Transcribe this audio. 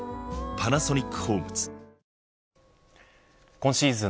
今シーズン